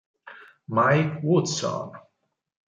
Mike Woodson